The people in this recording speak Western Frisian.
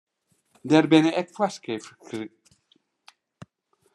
Der binne ek foarskriften dêr't hannelers oan foldwaan moatte.